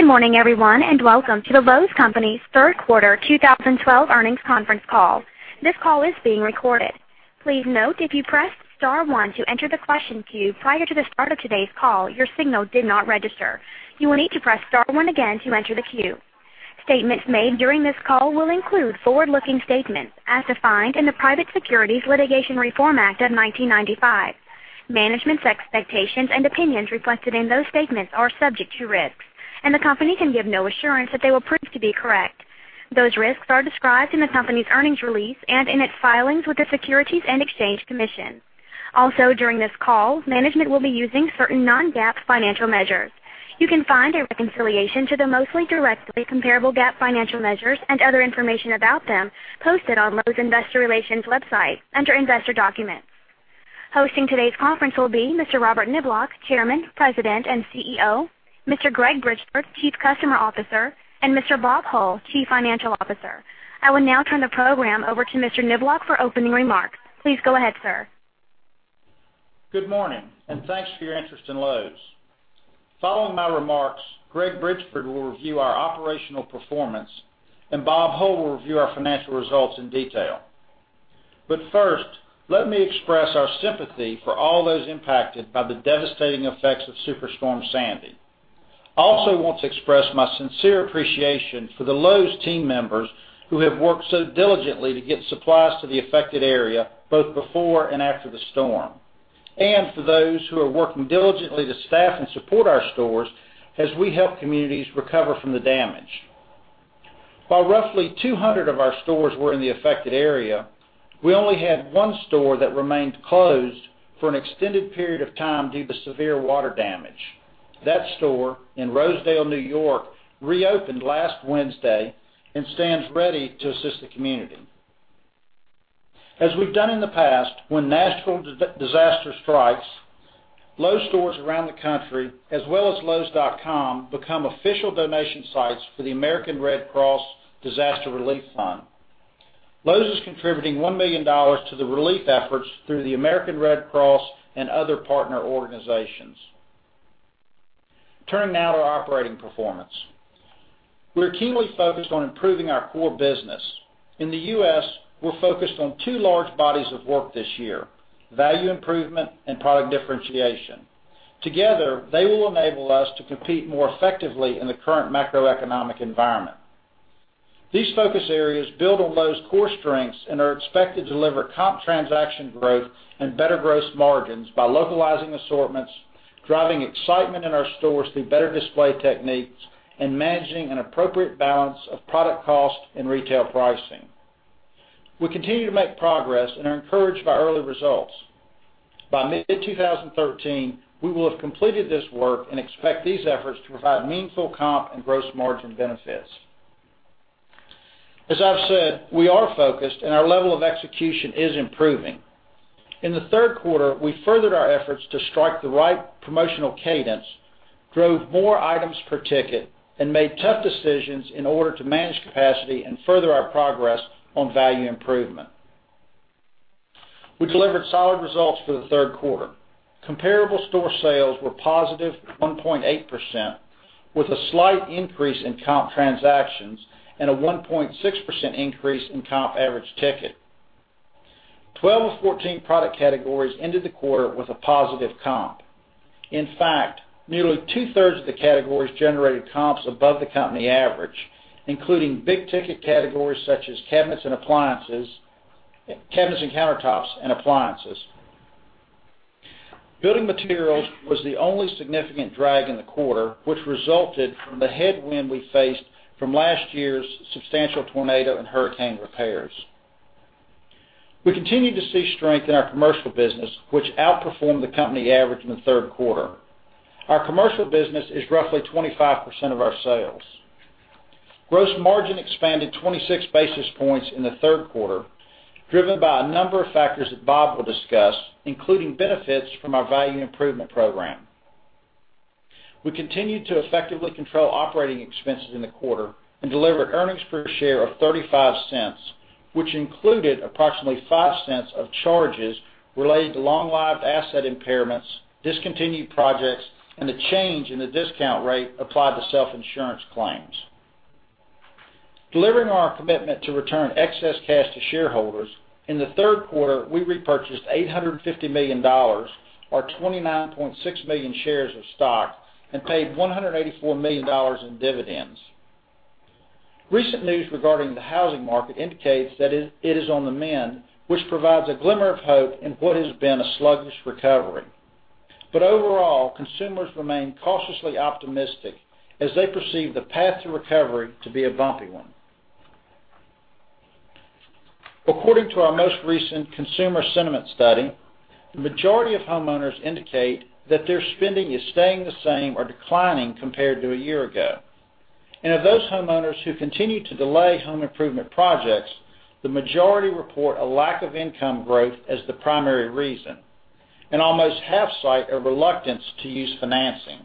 Good morning, everyone, and welcome to the Lowe's Companies third quarter 2012 earnings conference call. This call is being recorded. Please note, if you pressed star one to enter the question queue prior to the start of today's call, your signal did not register. You will need to press star one again to enter the queue. Statements made during this call will include forward-looking statements as defined in the Private Securities Litigation Reform Act of 1995. Management's expectations and opinions reflected in those statements are subject to risks, and the company can give no assurance that they will prove to be correct. Those risks are described in the company's earnings release and in its filings with the Securities and Exchange Commission. Also, during this call, management will be using certain non-GAAP financial measures. You can find a reconciliation to the mostly directly comparable GAAP financial measures and other information about them posted on Lowe's Investor Relations website under Investor Documents. Hosting today's conference will be Mr. Robert Niblock, Chairman, President, and CEO, Mr. Greg Bridgeford, Chief Customer Officer, and Mr. Bob Hull, Chief Financial Officer. I will now turn the program over to Mr. Niblock for opening remarks. Please go ahead, sir. Good morning, and thanks for your interest in Lowe's. Following my remarks, Greg Bridgeford will review our operational performance, Bob Hull will review our financial results in detail. First, let me express our sympathy for all those impacted by the devastating effects of Superstorm Sandy. I also want to express my sincere appreciation for the Lowe's team members who have worked so diligently to get supplies to the affected area, both before and after the storm. For those who are working diligently to staff and support our stores as we help communities recover from the damage. While roughly 200 of our stores were in the affected area, we only had one store that remained closed for an extended period of time due to severe water damage. That store in Rosedale, New York, reopened last Wednesday and stands ready to assist the community. As we've done in the past, when natural disaster strikes, Lowe's stores around the country, as well as lowes.com, become official donation sites for the American Red Cross Disaster Relief Fund. Lowe's is contributing $1 million to the relief efforts through the American Red Cross and other partner organizations. Turning now to our operating performance. We're keenly focused on improving our core business. In the U.S., we're focused on two large bodies of work this year, value improvement and product differentiation. Together, they will enable us to compete more effectively in the current macroeconomic environment. These focus areas build on Lowe's core strengths and are expected to deliver comp transaction growth and better gross margins by localizing assortments, driving excitement in our stores through better display techniques, and managing an appropriate balance of product cost and retail pricing. We continue to make progress and are encouraged by early results. By mid-2013, we will have completed this work and expect these efforts to provide meaningful comp and gross margin benefits. As I've said, we are focused, and our level of execution is improving. In the third quarter, we furthered our efforts to strike the right promotional cadence, drove more items per ticket, and made tough decisions in order to manage capacity and further our progress on value improvement. We delivered solid results for the third quarter. Comparable store sales were positive 1.8%, with a slight increase in comp transactions and a 1.6% increase in comp average ticket. 12 of 14 product categories ended the quarter with a positive comp. In fact, nearly two-thirds of the categories generated comps above the company average, including big-ticket categories such as cabinets and countertops, and appliances. Building materials was the only significant drag in the quarter, which resulted from the headwind we faced from last year's substantial tornado and hurricane repairs. We continue to see strength in our commercial business, which outperformed the company average in the third quarter. Our commercial business is roughly 25% of our sales. Gross margin expanded 26 basis points in the third quarter, driven by a number of factors that Bob will discuss, including benefits from our value improvement program. We continued to effectively control operating expenses in the quarter and delivered earnings per share of $0.35, which included approximately $0.05 of charges related to long-lived asset impairments, discontinued projects, and the change in the discount rate applied to self-insurance claims. Delivering on our commitment to return excess cash to shareholders, in the third quarter, we repurchased $850 million, or 29.6 million shares of stock and paid $184 million in dividends. Recent news regarding the housing market indicates that it is on the mend, which provides a glimmer of hope in what has been a sluggish recovery. Overall, consumers remain cautiously optimistic as they perceive the path to recovery to be a bumpy one. According to our most recent consumer sentiment study, the majority of homeowners indicate that their spending is staying the same or declining compared to a year ago. Of those homeowners who continue to delay home improvement projects, the majority report a lack of income growth as the primary reason, and almost half cite a reluctance to use financing.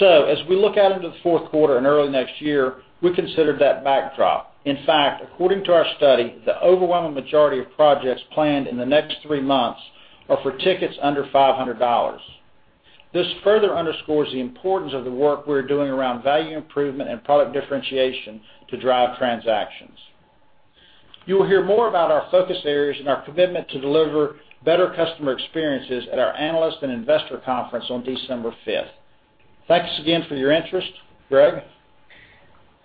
As we look out into the fourth quarter and early next year, we considered that backdrop. In fact, according to our study, the overwhelming majority of projects planned in the next three months are for tickets under $500. This further underscores the importance of the work we're doing around value improvement and product differentiation to drive transactions. You will hear more about our focus areas and our commitment to deliver better customer experiences at our Analyst and Investor Conference on December 5th. Thanks again for your interest. Greg?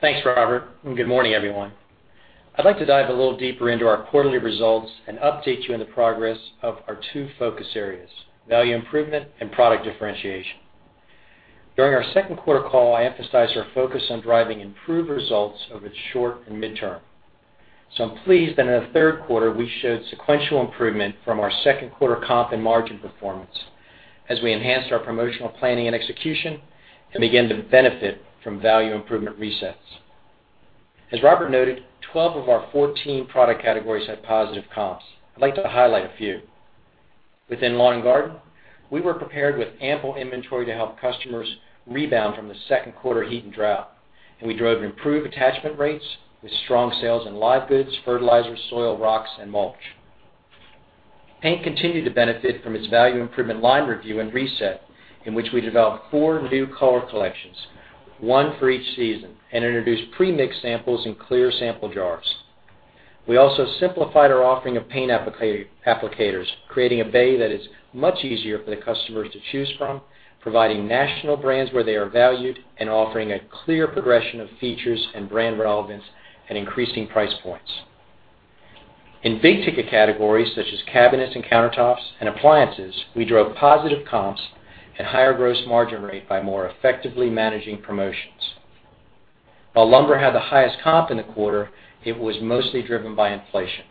Thanks, Robert, and good morning, everyone. I'd like to dive a little deeper into our quarterly results and update you on the progress of our two focus areas, Value Improvement and Product Differentiation. During our second quarter call, I emphasized our focus on driving improved results over the short and midterm. I'm pleased that in the third quarter, we showed sequential improvement from our second quarter comp and margin performance as we enhanced our promotional planning and execution and began to benefit from Value Improvement resets. As Robert noted, 12 of our 14 product categories had positive comps. I'd like to highlight a few. Within lawn and garden, we were prepared with ample inventory to help customers rebound from the second quarter heat and drought, and we drove improved attachment rates with strong sales in live goods, fertilizers, soil, rocks, and mulch. Paint continued to benefit from its Value Improvement line review and reset, in which we developed four new color collections, one for each season, and introduced pre-mixed samples in clear sample jars. We also simplified our offering of paint applicators, creating a bay that is much easier for the customers to choose from, providing national brands where they are valued, and offering a clear progression of features and brand relevance at increasing price points. In big-ticket categories, such as cabinets and countertops and appliances, we drove positive comps and higher gross margin rate by more effectively managing promotions. While lumber had the highest comp in the quarter, it was mostly driven by inflation.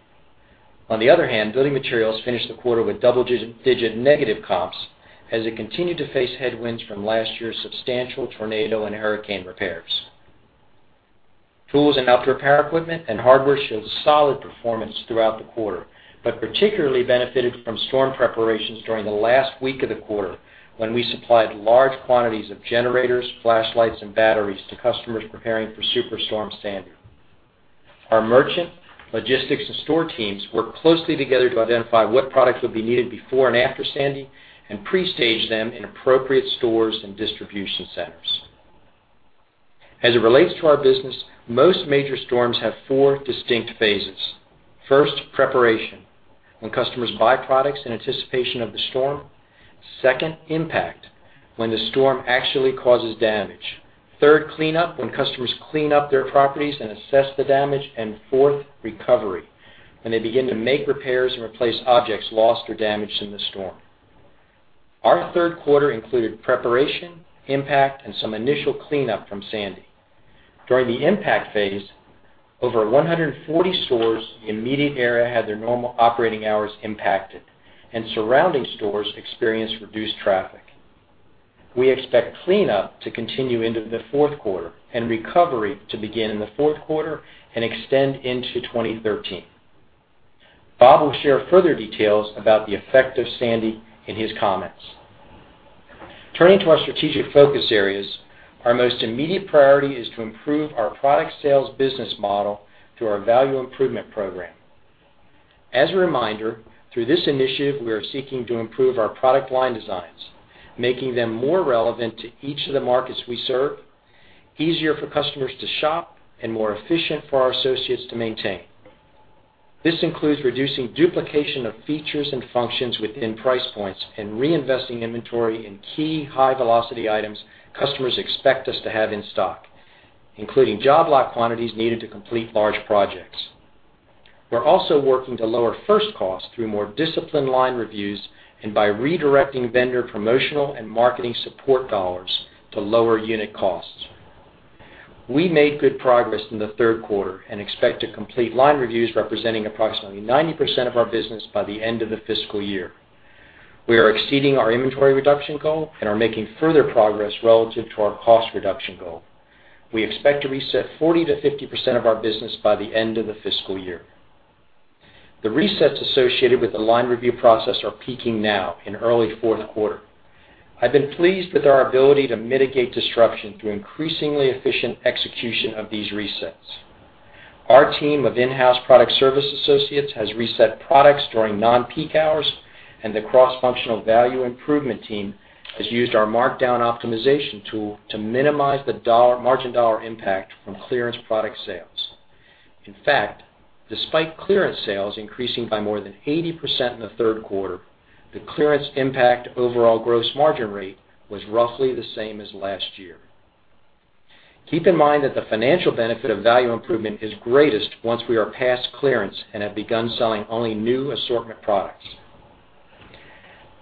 On the other hand, building materials finished the quarter with double-digit negative comps as it continued to face headwinds from last year's substantial tornado and hurricane repairs. Tools and outdoor power equipment and hardware showed a solid performance throughout the quarter, but particularly benefited from storm preparations during the last week of the quarter, when we supplied large quantities of generators, flashlights, and batteries to customers preparing for Superstorm Sandy. Our merchant, logistics, and store teams worked closely together to identify what products would be needed before and after Sandy and pre-stage them in appropriate stores and distribution centers. As it relates to our business, most major storms have four distinct phases. First, preparation, when customers buy products in anticipation of the storm. Second, impact, when the storm actually causes damage. Third, cleanup, when customers clean up their properties and assess the damage. Fourth, recovery, when they begin to make repairs and replace objects lost or damaged in the storm. Our third quarter included preparation, impact, and some initial cleanup from Sandy. During the impact phase, over 140 stores in the immediate area had their normal operating hours impacted, and surrounding stores experienced reduced traffic. We expect cleanup to continue into the fourth quarter and recovery to begin in the fourth quarter and extend into 2013. Bob will share further details about the effect of Sandy in his comments. Turning to our strategic focus areas, our most immediate priority is to improve our product sales business model through our Value Improvement program. As a reminder, through this initiative, we are seeking to improve our product line designs, making them more relevant to each of the markets we serve, easier for customers to shop, and more efficient for our associates to maintain. This includes reducing duplication of features and functions within price points and reinvesting inventory in key high-velocity items customers expect us to have in stock, including job lot quantities needed to complete large projects. We are also working to lower first costs through more disciplined line reviews and by redirecting vendor promotional and marketing support dollars to lower unit costs. We made good progress in the third quarter and expect to complete line reviews representing approximately 90% of our business by the end of the fiscal year. We are exceeding our inventory reduction goal and are making further progress relative to our cost reduction goal. We expect to reset 40%-50% of our business by the end of the fiscal year. The resets associated with the line review process are peaking now in early fourth quarter. I have been pleased with our ability to mitigate disruption through increasingly efficient execution of these resets. Our team of in-house product service associates has reset products during non-peak hours, and the cross-functional value improvement team has used our markdown optimization tool to minimize the margin dollar impact from clearance product sales. In fact, despite clearance sales increasing by more than 80% in the third quarter, the clearance impact overall gross margin rate was roughly the same as last year. Keep in mind that the financial benefit of value improvement is greatest once we are past clearance and have begun selling only new assortment products.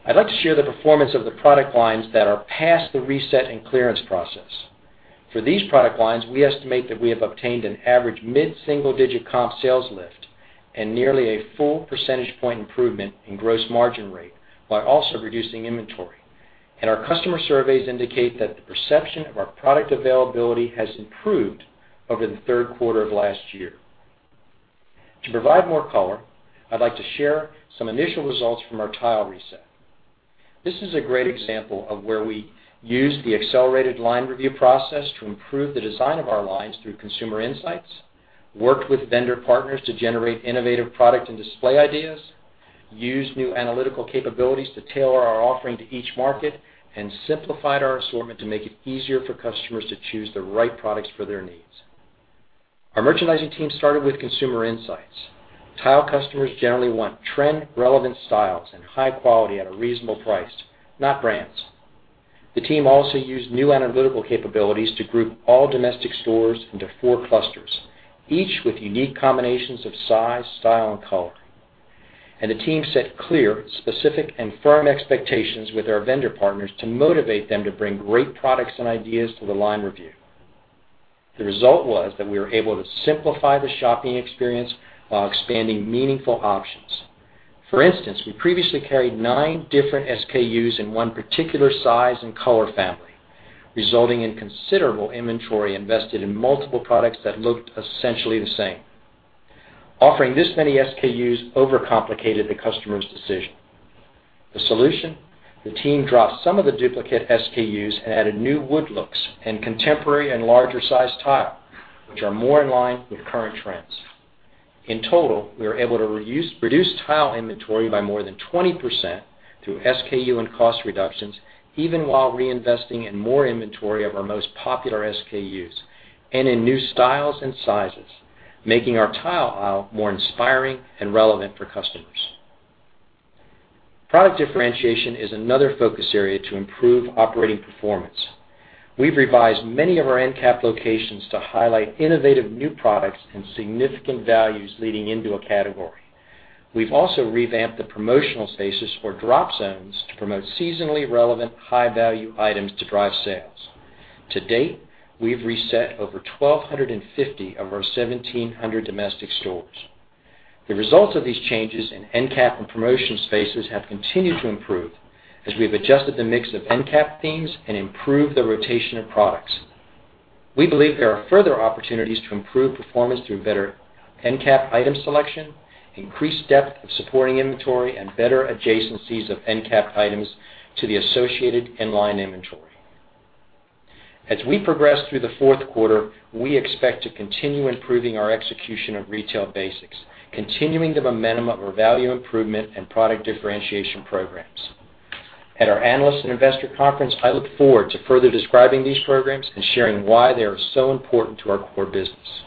I would like to share the performance of the product lines that are past the reset and clearance process. For these product lines, we estimate that we have obtained an average mid-single-digit comp sales lift and nearly a full percentage point improvement in gross margin rate, while also reducing inventory. Our customer surveys indicate that the perception of our product availability has improved over the third quarter of last year. To provide more color, I would like to share some initial results from our tile reset. This is a great example of where we used the accelerated line review process to improve the design of our lines through consumer insights, worked with vendor partners to generate innovative product and display ideas, used new analytical capabilities to tailor our offering to each market, and simplified our assortment to make it easier for customers to choose the right products for their needs. Our merchandising team started with consumer insights. Tile customers generally want trend-relevant styles and high quality at a reasonable price, not brands. The team also used new analytical capabilities to group all domestic stores into 4 clusters, each with unique combinations of size, style, and color. The team set clear, specific, and firm expectations with our vendor partners to motivate them to bring great products and ideas to the line review. The result was that we were able to simplify the shopping experience while expanding meaningful options. For instance, we previously carried nine different SKUs in one particular size and color family, resulting in considerable inventory invested in multiple products that looked essentially the same. Offering this many SKUs overcomplicated the customer's decision. The solution. The team dropped some of the duplicate SKUs and added new wood looks in contemporary and larger-sized tile, which are more in line with current trends. In total, we were able to reduce tile inventory by more than 20% through SKU and cost reductions, even while reinvesting in more inventory of our most popular SKUs and in new styles and sizes, making our tile aisle more inspiring and relevant for customers. Product differentiation is another focus area to improve operating performance. We've revised many of our end cap locations to highlight innovative new products and significant values leading into a category. We've also revamped the promotional spaces for drop zones to promote seasonally relevant high-value items to drive sales. To date, we've reset over 1,250 of our 1,700 domestic stores. The results of these changes in end cap and promotion spaces have continued to improve as we've adjusted the mix of end cap themes and improved the rotation of products. We believe there are further opportunities to improve performance through better end cap item selection, increased depth of supporting inventory, and better adjacencies of end cap items to the associated end line inventory. As we progress through the fourth quarter, we expect to continue improving our execution of retail basics, continuing the momentum of our value improvement and product differentiation programs. At our Analyst and Investor Conference, I look forward to further describing these programs and sharing why they are so important to our core business.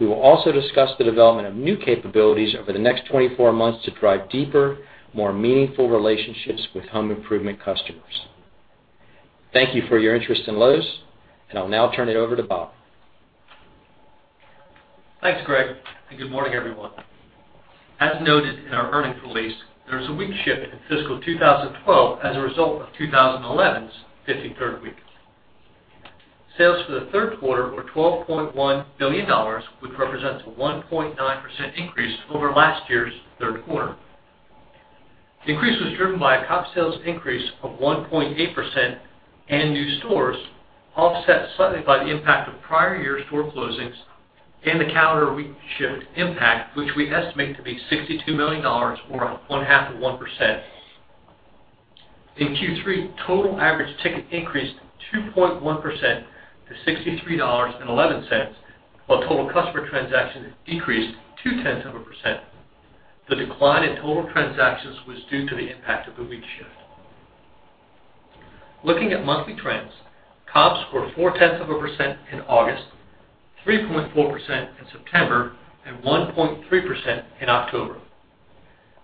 We will also discuss the development of new capabilities over the next 24 months to drive deeper, more meaningful relationships with home improvement customers. Thank you for your interest in Lowe's, I'll now turn it over to Bob. Thanks, Greg, good morning, everyone. As noted in our earnings release, there was a week shift in fiscal 2012 as a result of 2011's 53rd week. Sales for the third quarter were $12.1 billion, which represents a 1.9% increase over last year's third quarter. The increase was driven by a comp sales increase of 1.8% and new stores offset slightly by the impact of prior year store closings and the calendar week shift impact, which we estimate to be $62 million, or one-half of 1%. In Q3, total average ticket increased 2.1% to $63.11, while total customer transactions decreased two-tenths of a percent. The decline in total transactions was due to the impact of the week shift. Looking at monthly trends, comps were four-tenths of a percent in August, 3.4% in September, and 1.3% in October.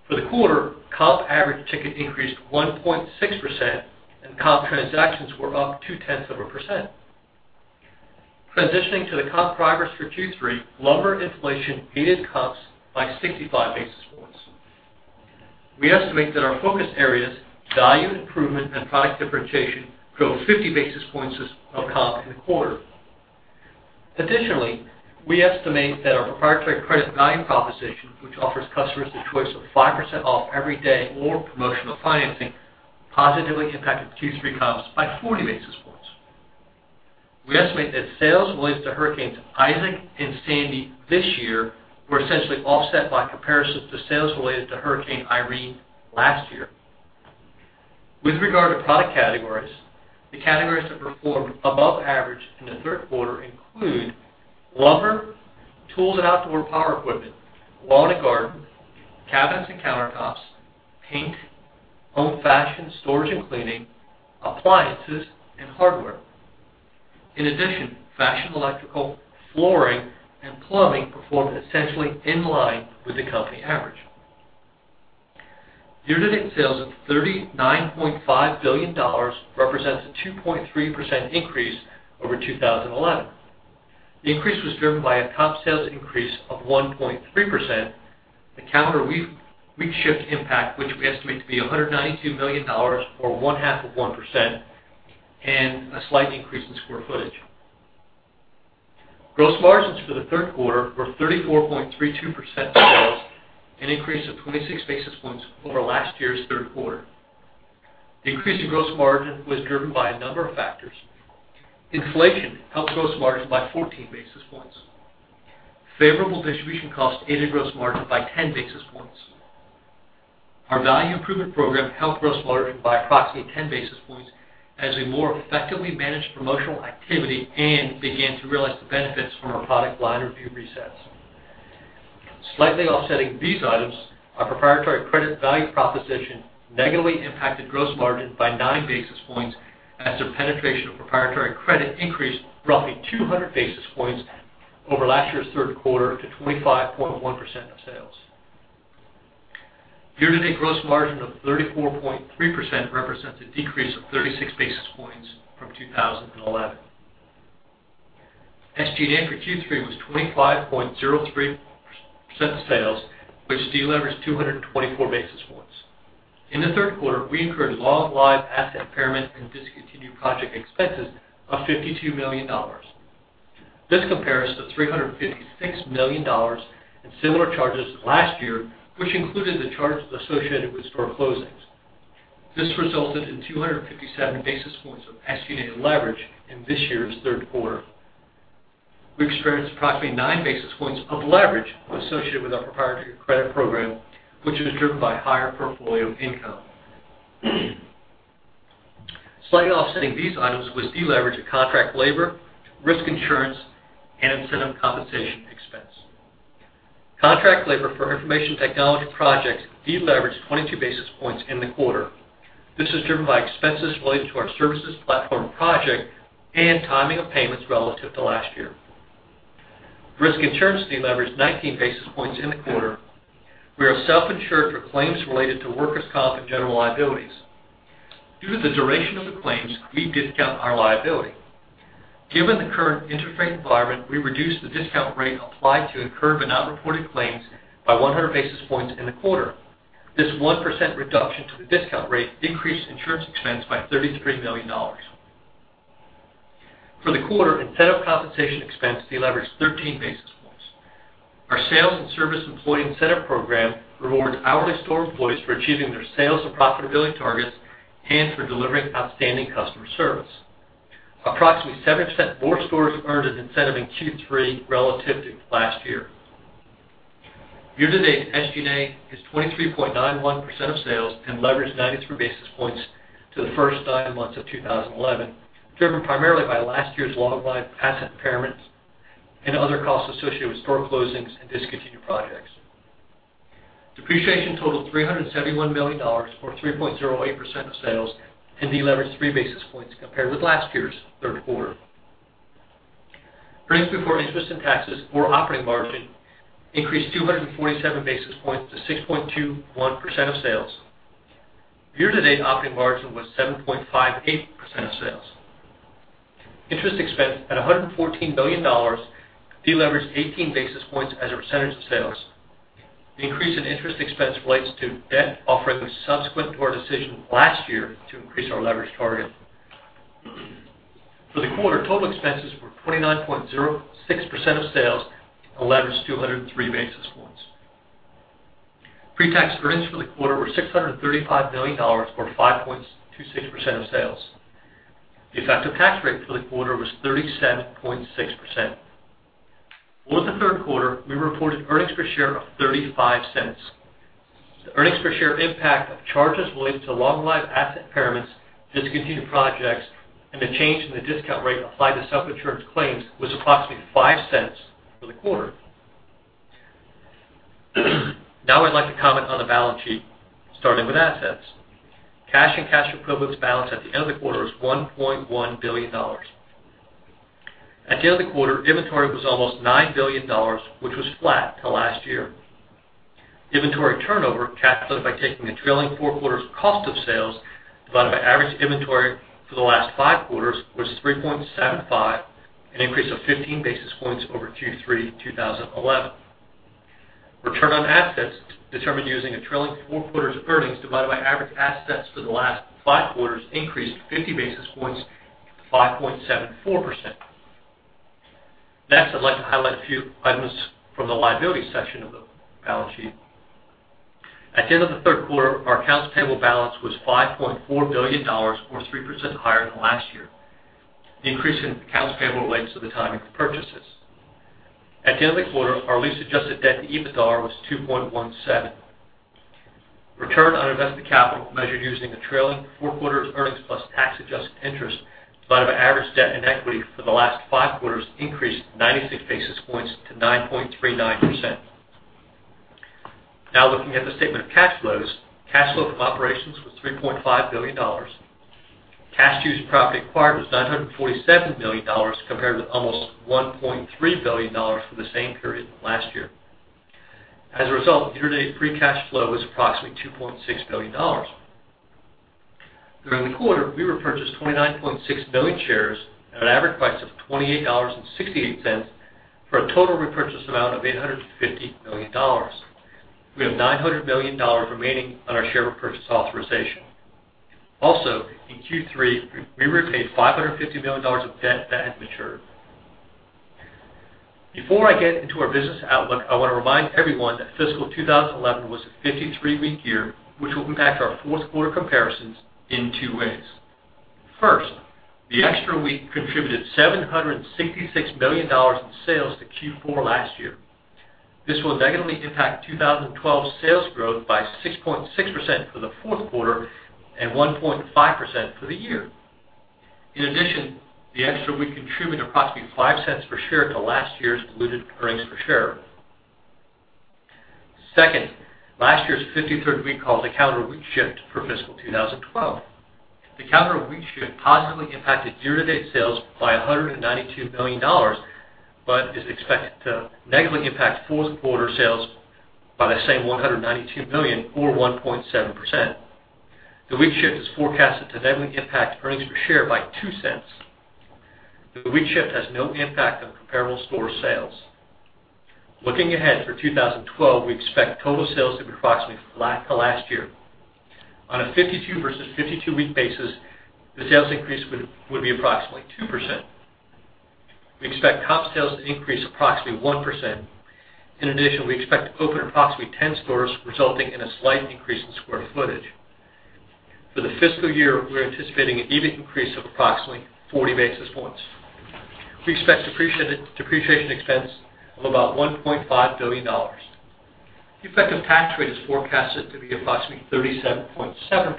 For the quarter, comp average ticket increased 1.6%, comp transactions were up two-tenths of a percent. Transitioning to the comp drivers for Q3, lumber inflation aided comps by 65 basis points. We estimate that our focus areas, value improvement and product differentiation, drove 50 basis points of comp in the quarter. Additionally, we estimate that our proprietary credit value proposition, which offers customers the choice of 5% off every day or promotional financing, positively impacted Q3 comps by 40 basis points. We estimate that sales related to Hurricane Isaac and Hurricane Sandy this year were essentially offset by comparisons to sales related to Hurricane Irene last year. With regard to product categories, the categories that performed above average in the third quarter include lumber, tools and outdoor power equipment, lawn and garden, cabinets and countertops, paint, home fashion, storage and cleaning, appliances, and hardware. In addition, fashion electrical, flooring, and plumbing performed essentially in line with the company average. Year-to-date sales of $39.5 billion represents a 2.3% increase over 2011. The increase was driven by a comp sales increase of 1.3%, a calendar week shift impact, which we estimate to be $192 million, or one-half of 1%, and a slight increase in square footage. Gross margins for the third quarter were 34.32% of sales, an increase of 26 basis points over last year's third quarter. The increase in gross margin was driven by a number of factors. Inflation helped gross margin by 14 basis points. Favorable distribution costs aided gross margin by 10 basis points. Our value improvement program helped gross margin by approximately 10 basis points as we more effectively managed promotional activity and began to realize the benefits from our product line review resets. Slightly offsetting these items, our proprietary credit value proposition negatively impacted gross margin by nine basis points as the penetration of proprietary credit increased roughly 200 basis points over last year's third quarter to 25.1% of sales. Year-to-date gross margin of 34.3% represents a decrease of 36 basis points from 2011. SG&A for Q3 was 25.03% of sales, which deleveraged 224 basis points. In the third quarter, we incurred long-lived asset impairment and discontinued project expenses of $52 million. This compares to $356 million in similar charges last year, which included the charges associated with store closings. This resulted in 257 basis points of SG&A leverage in this year's third quarter. We experienced approximately nine basis points of leverage associated with our proprietary credit program, which was driven by higher portfolio income. Slightly offsetting these items was deleverage of contract labor, risk insurance, and incentive compensation expense. Contract labor for information technology projects deleveraged 22 basis points in the quarter. This was driven by expenses related to our services platform project and timing of payments relative to last year. Risk insurance deleveraged 19 basis points in the quarter. We are self-insured for claims related to workers' comp and general liabilities. Due to the duration of the claims, we discount our liability. Given the current interest rate environment, we reduced the discount rate applied to incurred but not reported claims by 100 basis points in the quarter. This 1% reduction to the discount rate decreased insurance expense by $33 million. For the quarter, incentive compensation expense deleveraged 13 basis points. Our sales and service employee incentive program rewards hourly store employees for achieving their sales and profitability targets and for delivering outstanding customer service. Approximately 7% more stores earned an incentive in Q3 relative to last year. Year-to-date SG&A is 23.91% of sales and leveraged 93 basis points to the first nine months of 2011, driven primarily by last year's long-lived asset impairments and other costs associated with store closings and discontinued projects. Depreciation totaled $371 million, or 3.08% of sales, and deleveraged three basis points compared with last year's third quarter. Earnings before interest and taxes, or operating margin, increased 247 basis points to 6.21% of sales. Year-to-date operating margin was 7.58% of sales. Interest expense at $114 million deleveraged 18 basis points as a percentage of sales. The increase in interest expense relates to debt offerings subsequent to our decision last year to increase our leverage target. For the quarter, total expenses were 29.06% of sales and leveraged 203 basis points. Pre-tax earnings for the quarter were $635 million, or 5.26% of sales. The effective tax rate for the quarter was 37.6%. For the third quarter, we reported earnings per share of $0.35. The earnings per share impact of charges related to long-lived asset impairments, discontinued projects, and the change in the discount rate applied to self-insured claims was approximately $0.05 for the quarter. I'd like to comment on the balance sheet, starting with assets. Cash and cash equivalents balance at the end of the quarter was $1.1 billion. At the end of the quarter, inventory was almost $9 billion, which was flat to last year. Inventory turnover, calculated by taking the trailing four quarters cost of sales divided by average inventory for the last five quarters, was 3.75, an increase of 15 basis points over Q3 2011. Return on assets, determined using a trailing four quarters earnings divided by average assets for the last five quarters, increased 50 basis points to 5.74%. I'd like to highlight a few items from the liability section of the balance sheet. At the end of the third quarter, our accounts payable balance was $5.4 billion, or 3% higher than last year. The increase in accounts payable relates to the timing of purchases. At the end of the quarter, our lease-adjusted debt to EBITDA was 2.17. Return on invested capital, measured using the trailing four quarters earnings plus tax-adjusted interest divided by average debt and equity for the last five quarters, increased 96 basis points to 9.39%. Looking at the statement of cash flows. Cash flow from operations was $3.5 billion. Cash used to acquire was $947 million, compared with almost $1.3 billion for the same period last year. As a result, year-to-date free cash flow was approximately $2.6 billion. During the quarter, we repurchased 29.6 million shares at an average price of $28.68 for a total repurchase amount of $850 million. We have $900 million remaining on our share repurchase authorization. In Q3, we repaid $550 million of debt that had matured. Before I get into our business outlook, I want to remind everyone that fiscal 2011 was a 53-week year, which will impact our fourth quarter comparisons in two ways. First, the extra week contributed $766 million in sales to Q4 last year. This will negatively impact 2012 sales growth by 6.6% for the fourth quarter and 1.5% for the year. In addition, the extra week contributed approximately $0.05 per share to last year's diluted earnings per share. Second, last year's 53rd week caused a calendar week shift for fiscal 2012. The calendar week shift positively impacted year-to-date sales by $192 million but is expected to negatively impact fourth quarter sales by the same $192 million, or 1.7%. The week shift is forecasted to negatively impact earnings per share by $0.02. The week shift has no impact on comp sales. For 2012, we expect total sales to be approximately flat to last year. On a 52 versus 52-week basis, the sales increase would be approximately 2%. We expect comp sales to increase approximately 1%. In addition, we expect to open approximately 10 stores, resulting in a slight increase in square footage. For the fiscal year, we are anticipating an EBITDA increase of approximately 40 basis points. We expect depreciation expense of about $1.5 billion. The effective tax rate is forecasted to be approximately 37.7%.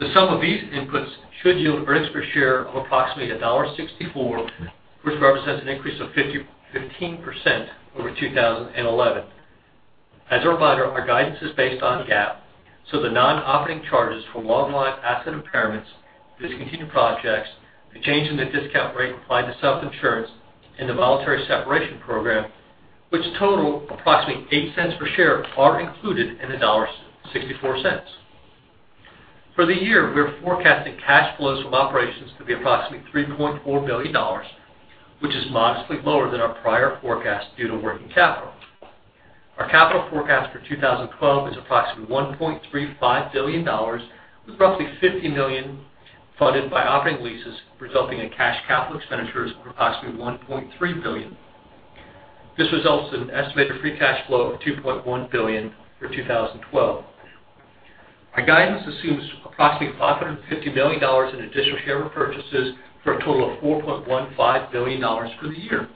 The sum of these inputs should yield an earnings per share of approximately $1.64, which represents an increase of 15% over 2011. As a reminder, our guidance is based on GAAP, the non-operating charges for long-lived asset impairments, discontinued projects, the change in the discount rate applied to self-insurance, and the voluntary separation program, which total approximately $0.08 per share, are included in the $1.64. For the year, we are forecasting cash flows from operations to be approximately $3.4 billion, which is modestly lower than our prior forecast due to working capital. Our capital forecast for 2012 is approximately $1.35 billion, with roughly $50 million funded by operating leases, resulting in cash capital expenditures of approximately $1.3 billion. This results in an estimated free cash flow of $2.1 billion for 2012. Our guidance assumes approximately $550 million in additional share repurchases for a total of $4.15 billion for the year.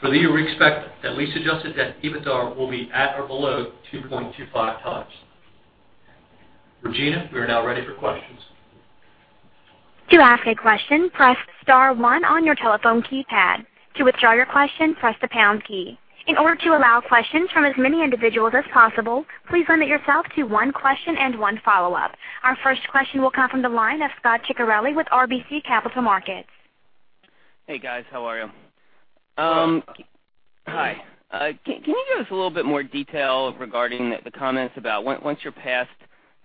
For the year, we expect that lease adjusted EBITDA will be at or below 2.25 times. Regina, we are now ready for questions. To ask a question, press *1 on your telephone keypad. To withdraw your question, press the # key. In order to allow questions from as many individuals as possible, please limit yourself to one question and one follow-up. Our first question will come from the line of Scot Ciccarelli with RBC Capital Markets. Hey, guys. How are you? Hello. Hi. Can you give us a little bit more detail regarding the comments about once you're past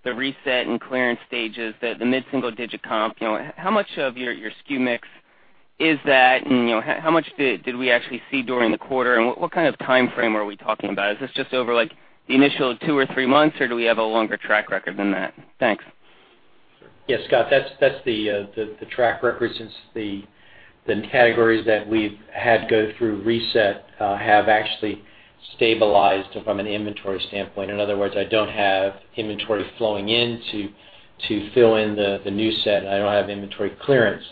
the reset and clearance stages, the mid-single-digit comp, how much of your SKU mix is that and how much did we actually see during the quarter, and what kind of timeframe are we talking about? Is this just over the initial two or three months, or do we have a longer track record than that? Thanks. Sure. Yes, Scot, that's the track record, since the categories that we've had go through reset have actually stabilized from an inventory standpoint. In other words, I don't have inventory flowing in to fill in the new set. I don't have inventory clearance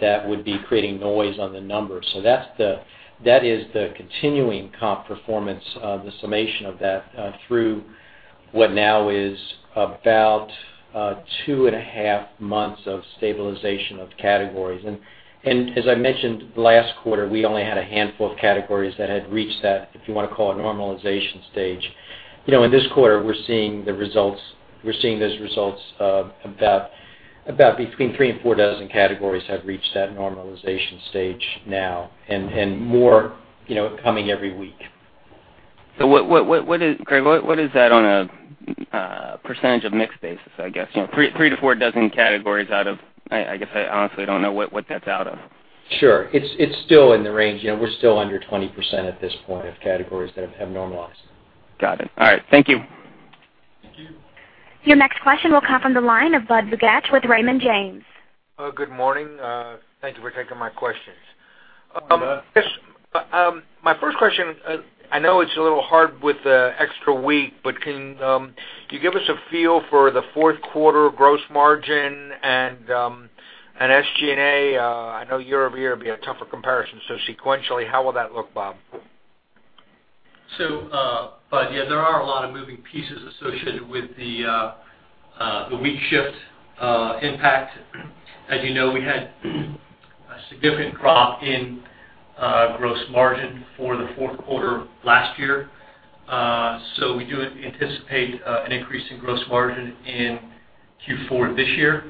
that would be creating noise on the numbers. That is the continuing comp performance, the summation of that, through what now is about two and a half months of stabilization of categories. As I mentioned last quarter, we only had a handful of categories that had reached that, if you want to call it, normalization stage. In this quarter, we're seeing those results. About between three and four dozen categories have reached that normalization stage now, and more coming every week. Greg, what is that on a % of mix basis, I guess? Three to four dozen categories out of I guess I honestly don't know what that's out of. Sure. It's still in the range. We're still under 20% at this point of categories that have normalized. Got it. All right. Thank you. Thank you. Your next question will come from the line of Budd Bugatch with Raymond James. Good morning. Thank you for taking my questions. You bet. My first question, I know it's a little hard with the extra week, but can you give us a feel for the fourth quarter gross margin and SG&A? I know year-over-year will be a tougher comparison. Sequentially, how will that look, Bob? Budd, yeah, there are a lot of moving pieces associated with the week shift impact. As you know, we had a significant drop in gross margin for the fourth quarter last year. We do anticipate an increase in gross margin in Q4 this year.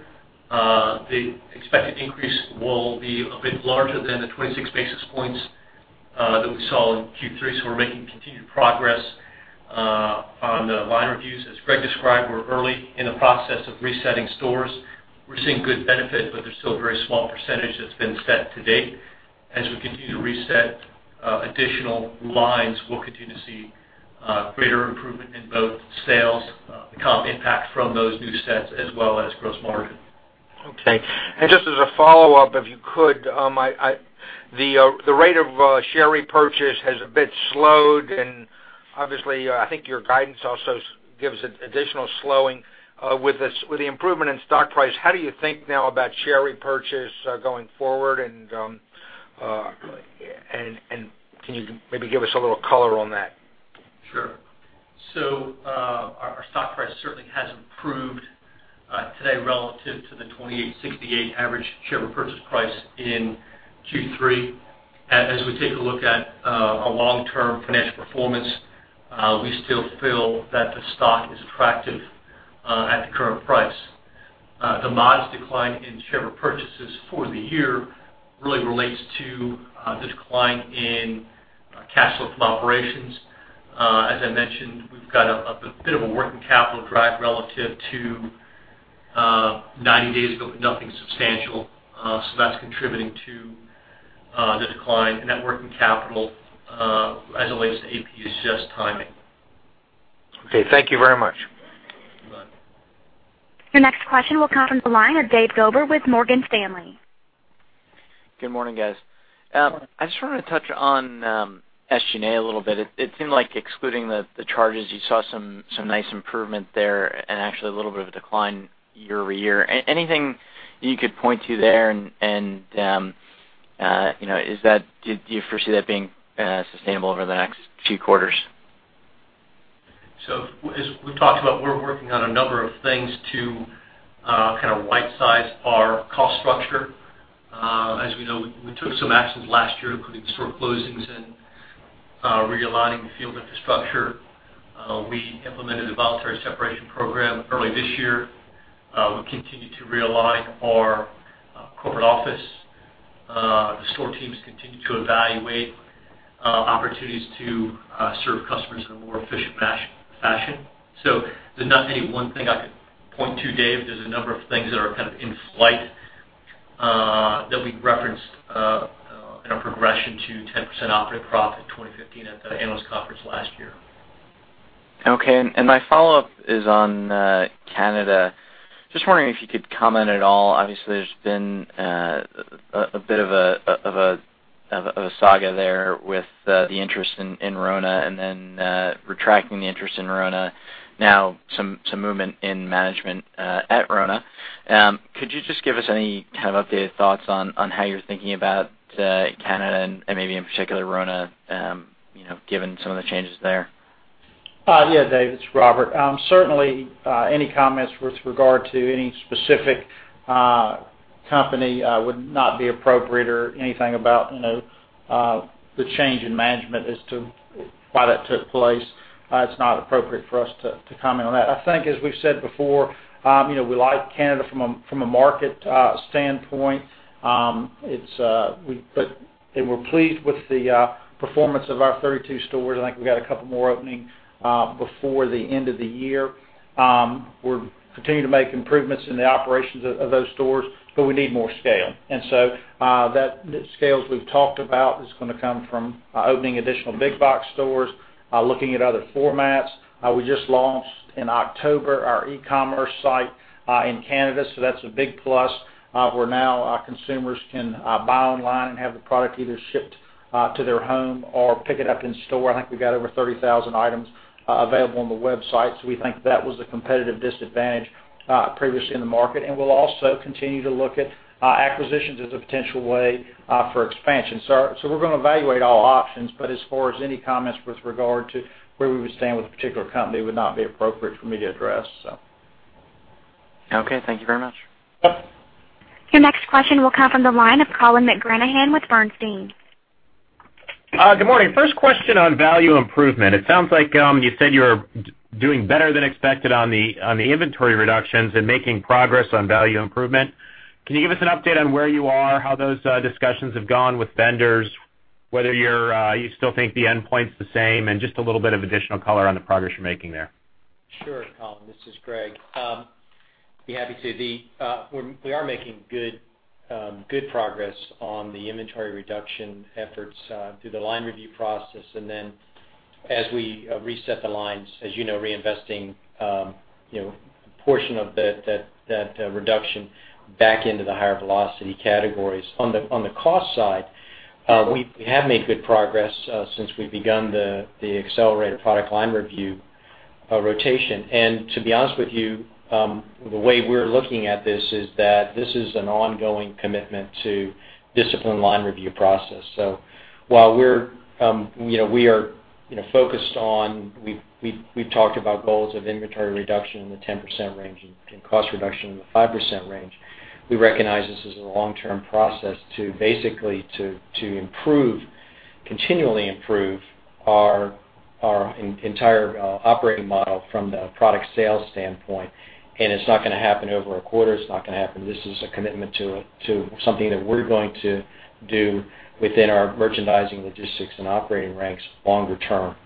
The expected increase will be a bit larger than the 26 basis points that we saw in Q3. We're making continued progress on the line reviews. As Greg described, we're early in the process of resetting stores. We're seeing good benefit, but there's still a very small percentage that's been set to date. As we continue to reset additional lines, we'll continue to see greater improvement in both sales, the comp impact from those new sets, as well as gross margin. Okay. Just as a follow-up, if you could, the rate of share repurchase has a bit slowed, and obviously, I think your guidance also gives additional slowing with the improvement in stock price. How do you think now about share repurchase going forward, and can you maybe give us a little color on that? Sure. Our stock price certainly has improved today relative to the $2,868 average share repurchase price in Q3. As we take a look at our long-term financial performance, we still feel that the stock is attractive at the current price. The modest decline in share repurchases for the year really relates to the decline in cash flow from operations. As I mentioned, we've got a bit of a working capital drag relative to 90 days ago, but nothing substantial. That's contributing to the decline in that working capital as it relates to AP. It's just timing. Okay. Thank you very much. Bye. Your next question will come from the line of David Gober with Morgan Stanley. Good morning, guys. I just wanted to touch on SG&A a little bit. It seemed like excluding the charges, you saw some nice improvement there and actually a little bit of a decline year-over-year. Anything you could point to there and do you foresee that being sustainable over the next few quarters? As we've talked about, we're working on a number of things to rightsize our cost structure. As we know, we took some actions last year, including store closings and realigning the field infrastructure. We implemented a voluntary separation program early this year. We continue to realign our corporate office. The store teams continue to evaluate opportunities to serve customers in a more efficient fashion. There's not any one thing I could point to, Dave. There's a number of things that are in flight that we referenced in a progression to 10% operating profit in 2015 at the analyst conference last year. My follow-up is on Canada. Just wondering if you could comment at all. Obviously, there's been a bit of a saga there with the interest in RONA and then retracting the interest in RONA. Now, some movement in management at RONA. Could you just give us any updated thoughts on how you're thinking about Canada and maybe in particular RONA, given some of the changes there? Yeah, Dave, it's Robert. Certainly, any comments with regard to any specific company would not be appropriate or anything about the change in management as to why that took place. It's not appropriate for us to comment on that. I think as we've said before, we like Canada from a market standpoint. We're pleased with the performance of our 32 stores. I think we've got a couple more opening before the end of the year. We're continuing to make improvements in the operations of those stores, but we need more scale. That scale, as we've talked about, is going to come from opening additional big box stores, looking at other formats. We just launched in October our e-commerce site in Canada, that's a big plus, where now our consumers can buy online and have the product either shipped to their home or pick it up in store. I think we got over 30,000 items available on the website. We think that was a competitive disadvantage previously in the market, we'll also continue to look at acquisitions as a potential way for expansion. We're going to evaluate all options, but as far as any comments with regard to where we would stand with a particular company would not be appropriate for me to address. Okay, thank you very much. Your next question will come from the line of Colin McGranahan with Bernstein. Good morning. First question on value improvement. It sounds like you said you're doing better than expected on the inventory reductions and making progress on value improvement. Can you give us an update on where you are, how those discussions have gone with vendors, whether you still think the endpoint's the same, and just a little bit of additional color on the progress you're making there? Sure, Colin, this is Greg. Be happy to. We are making good progress on the inventory reduction efforts through the line review process. As we reset the lines, as you know, reinvesting a portion of that reduction back into the higher velocity categories. On the cost side, we have made good progress since we've begun the accelerated product line review rotation. To be honest with you, the way we're looking at this is that this is an ongoing commitment to discipline line review process. While we are focused on, we've talked about goals of inventory reduction in the 10% range and cost reduction in the 5% range. We recognize this is a long-term process to basically continually improve our entire operating model from the product sales standpoint, and it's not going to happen over a quarter. This is a commitment to something that we're going to do within our merchandising logistics and operating ranks longer term.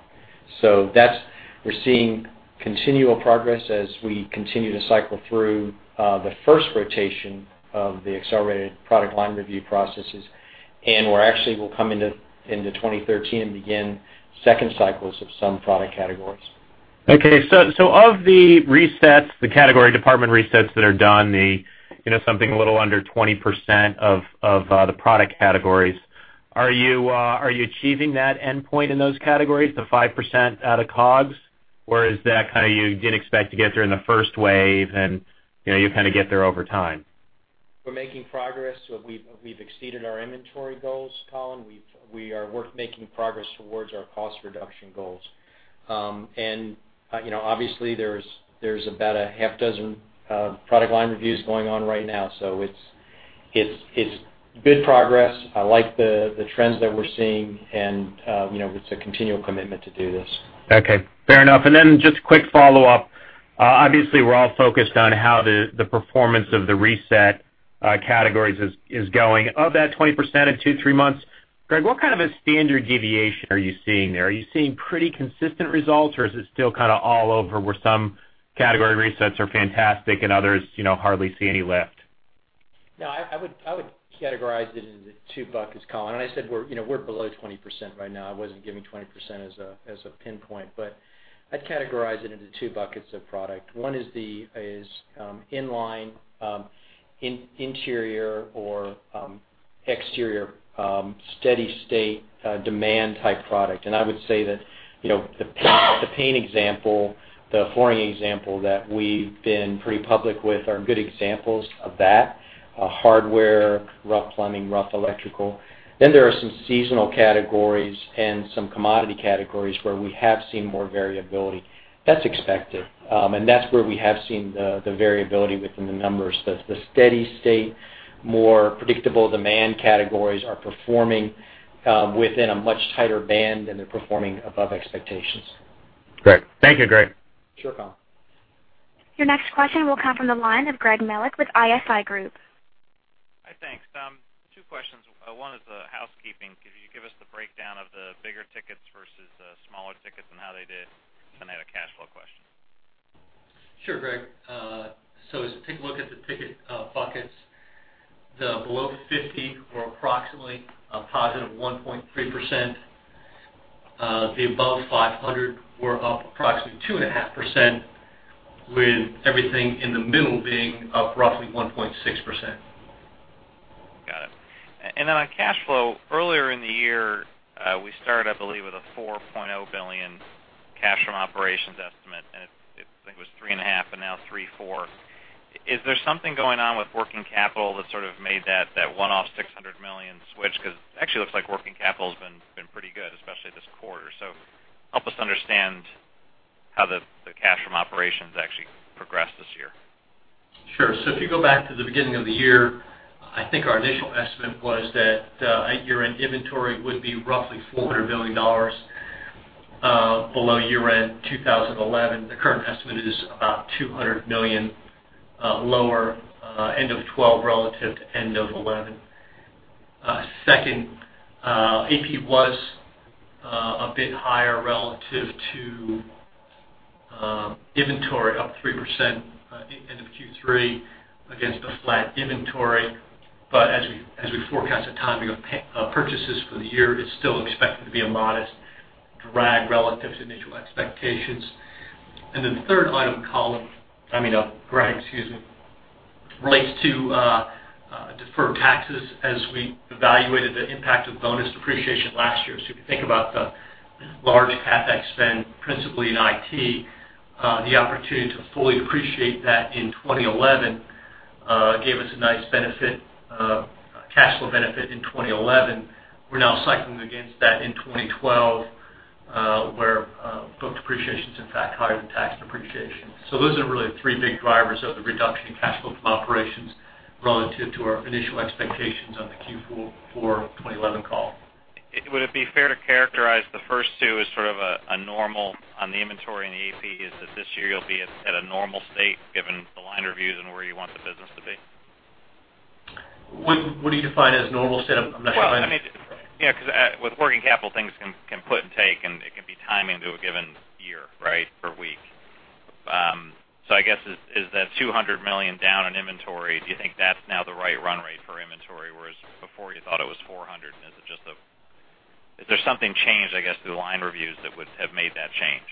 We're seeing continual progress as we continue to cycle through the first rotation of the accelerated product line review processes. We actually will come into 2013 and begin second cycles of some product categories. Okay. Of the category department resets that are done, something a little under 20% of the product categories, are you achieving that endpoint in those categories, the 5% out of COGS? Is that you did expect to get there in the first wave and you get there over time? We're making progress. We've exceeded our inventory goals, Colin. We are making progress towards our cost reduction goals. Obviously, there's about a half dozen product line reviews going on right now. It's good progress. I like the trends that we're seeing, it's a continual commitment to do this. Okay. Fair enough. Then just quick follow-up. Obviously, we're all focused on how the performance of the reset categories is going. Of that 20% in two, three months, Greg, what kind of a standard deviation are you seeing there? Are you seeing pretty consistent results, or is it still all over, where some category resets are fantastic and others hardly see any lift? No, I would categorize it into 2 buckets, Colin. I said we're below 20% right now. I wasn't giving 20% as a pinpoint, I'd categorize it into 2 buckets of product. One is inline, interior, or exterior, steady state demand type product. I would say that the paint example, the flooring example that we've been pretty public with are good examples of that. Hardware, rough plumbing, rough electrical. There are some seasonal categories and some commodity categories where we have seen more variability. That's expected. That's where we have seen the variability within the numbers. The steady state, more predictable demand categories are performing within a much tighter band, and they're performing above expectations. Great. Thank you, Greg. Sure, Colin. Your next question will come from the line of Gregory Melich with ISI Group. Hi, thanks. Two questions. One is the housekeeping. Could you give us the breakdown of the bigger tickets versus the smaller tickets and how they did? I had a cash flow question. Sure, Greg. As you take a look at the ticket buckets, the below 50 were approximately a positive 1.3%. The above 500 were up approximately 2.5%, with everything in the middle being up roughly 1.6%. Got it. On cash flow, earlier in the year, we started, I believe, with a $4.0 billion cash from operations estimate, I think it was three and a half and now three, four. Is there something going on with working capital that sort of made that one-off $600 million switch? Actually looks like working capital has been pretty good, especially this quarter. Help us understand how the cash from operations actually progressed this year. Sure. If you go back to the beginning of the year, I think our initial estimate was that year-end inventory would be roughly $400 million below year-end 2011. The current estimate is about $200 million lower end of 2012 relative to end of 2011. Second, AP was a bit higher relative to inventory, up 3% in the Q3 against a flat inventory. As we forecast the timing of purchases for the year, it's still expected to be a modest drag relative to initial expectations. The third item, Greg, excuse me, relates to deferred taxes as we evaluated the impact of bonus depreciation last year. If you think about the large CapEx spend principally in IT, the opportunity to fully depreciate that in 2011 gave us a nice cash flow benefit in 2011. We're now cycling against that in 2012, where book depreciation is in fact higher than tax depreciation. Those are really the three big drivers of the reduction in cash flow from operations relative to our initial expectations on the Q4 2011 call. Would it be fair to characterize the first two as sort of a normal on the inventory and the AP, is that this year you'll be at a normal state given the line reviews and where you want the business to be? What do you define as normal state of Well, because with working capital, things can put and take, and it can be timing to a given year, right, or week. I guess, is that $200 million down in inventory, do you think that's now the right run rate for inventory, whereas before you thought it was $400? Has something changed, I guess, through the line reviews that would have made that change?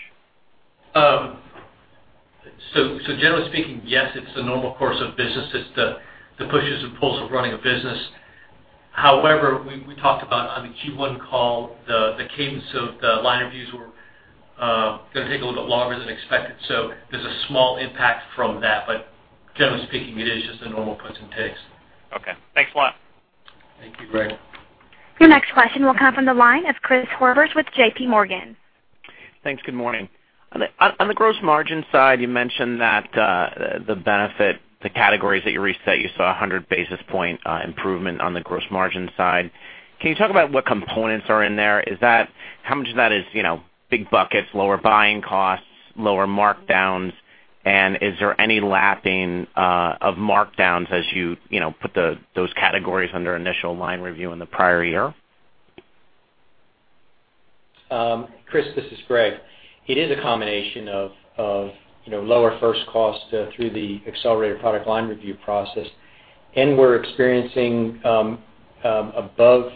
Generally speaking, yes, it's the normal course of business. It's the pushes and pulls of running a business. However, we talked about on the Q1 call, the cadence of the line reviews were going to take a little bit longer than expected. There's a small impact from that, but generally speaking, it is just the normal puts and takes. Okay. Thanks a lot. Thank you, Greg. Your next question will come from the line of Christopher Horvers with J.P. Morgan. Thanks. Good morning. On the gross margin side, you mentioned that the benefit, the categories that you reset, you saw 100 basis points improvement on the gross margin side. Can you talk about what components are in there? How much of that is big buckets, lower buying costs, lower markdowns, and is there any lapping of markdowns as you put those categories under initial line review in the prior year? Chris, this is Greg. It is a combination of lower first costs through the accelerated product line review process. We're experiencing above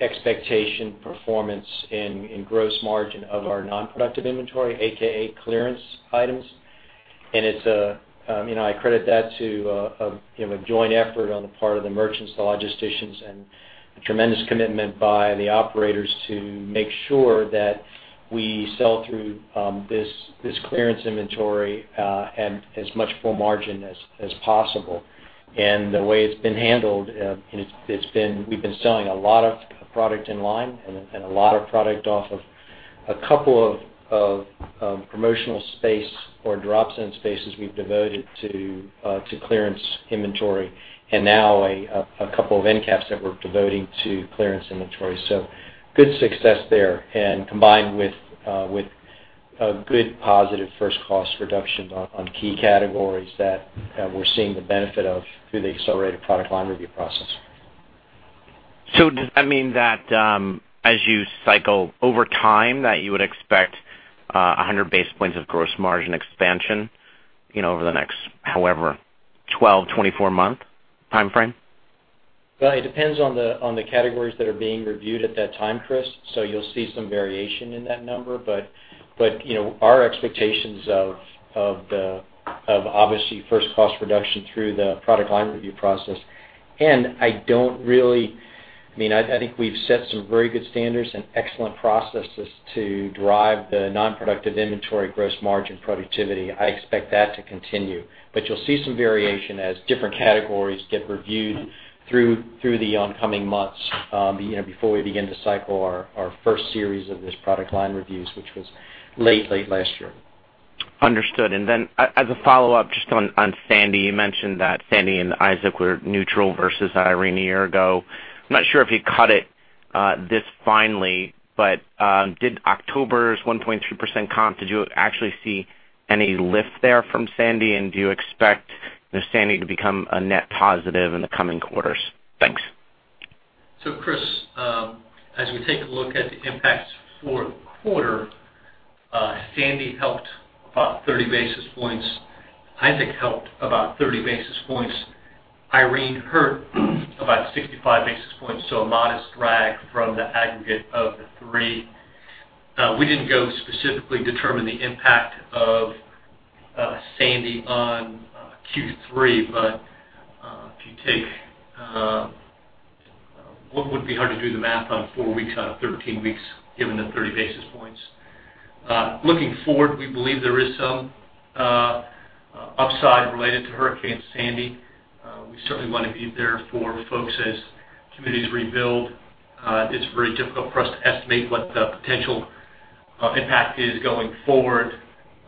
expectation performance in gross margin of our non-productive inventory, AKA clearance items. I credit that to a joint effort on the part of the merchants, the logisticians, and the tremendous commitment by the operators to make sure that we sell through this clearance inventory at as much full margin as possible. The way it's been handled, we've been selling a lot of product in line and a lot of product off of a couple of promotional spaces or drop zones we've devoted to clearance inventory, and now a couple of end caps that we're devoting to clearance inventory. Good success there, combined with a good positive first-cost reduction on key categories that we're seeing the benefit of through the accelerated product line review process. Does that mean that as you cycle over time, that you would expect 100 basis points of gross margin expansion over the next however 12, 24-month timeframe? It depends on the categories that are being reviewed at that time, Chris. You'll see some variation in that number, but our expectations of obviously first cost reduction through the product line review process. I think we've set some very good standards and excellent processes to drive the non-productive inventory gross margin productivity. I expect that to continue. You'll see some variation as different categories get reviewed through the oncoming months, before we begin to cycle our first series of these product line reviews, which was late last year. Understood. Then as a follow-up, just on Sandy, you mentioned that Sandy and Isaac were neutral versus Irene a year ago. I'm not sure if you cut it this finely, but did October's 1.3% comp, did you actually see any lift there from Sandy? Do you expect Sandy to become a net positive in the coming quarters? Thanks. Chris, as we take a look at the impacts for the quarter, Sandy helped about 30 basis points. Isaac helped about 30 basis points. Irene hurt about 65 basis points, so a modest drag from the aggregate of the three. We didn't go specifically determine the impact of Sandy on Q3. It would be hard to do the math on four weeks out of 13 weeks given the 30 basis points. Looking forward, we believe there is some upside related to Hurricane Sandy. We certainly want to be there for folks as communities rebuild. It's very difficult for us to estimate what the potential impact is going forward.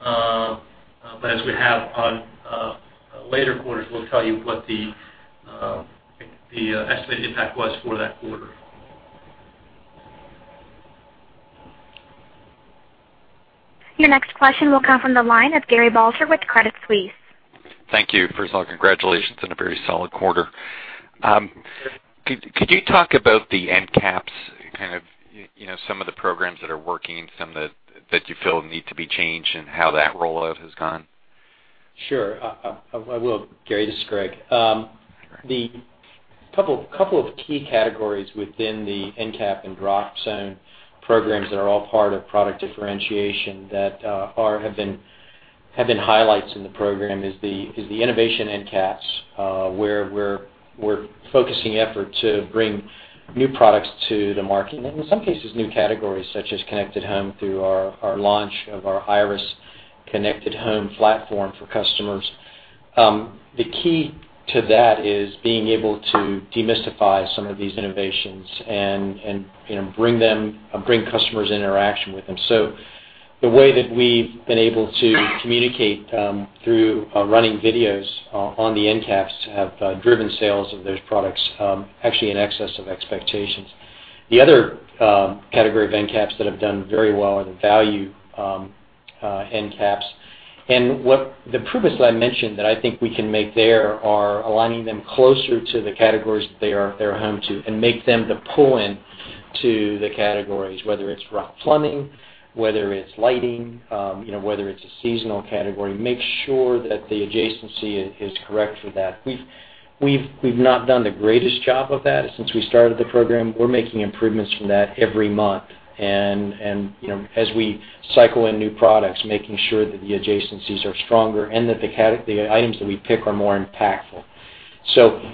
As we have on later quarters, we'll tell you what the estimated impact was for that quarter. Your next question will come from the line of Gary Balter with Credit Suisse. Thank you. First of all, congratulations on a very solid quarter. Could you talk about the end caps, some of the programs that are working, some that you feel need to be changed and how that rollout has gone? Sure. I will, Gary. This is Greg. All right. The couple of key categories within the end cap and drop zone programs that are all part of product differentiation that have been highlights in the program is the innovation end caps, where we're focusing effort to bring new products to the market. In some cases, new categories such as connected home through our launch of our Iris connected home platform for customers. The key to that is being able to demystify some of these innovations and bring customers interaction with them. The way that we've been able to communicate through running videos on the end caps have driven sales of those products actually in excess of expectations. The other category of end caps that have done very well are the value end caps. The progress that I mentioned that I think we can make there are aligning them closer to the categories that they're home to and make them the pull-in to the categories, whether it's rough plumbing, whether it's lighting, whether it's a seasonal category, make sure that the adjacency is correct for that. We've not done the greatest job of that since we started the program. We're making improvements from that every month. As we cycle in new products, making sure that the adjacencies are stronger and that the items that we pick are more impactful.